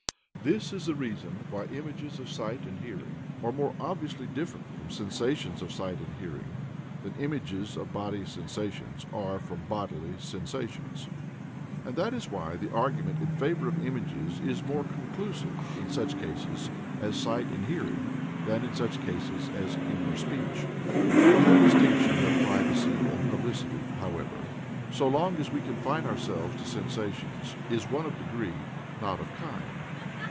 This is the reason why images of sight and hearing are more obviously different from sensations of sight and hearing than images of bodily sensations are from bodily sensations; and that is why the argument in favour of images is more conclusive in such cases as sight and hearing than in such cases as inner speech. The whole distinction of privacy and publicity, however, so long as we confine ourselves to sensations, is one of degree, not of kind.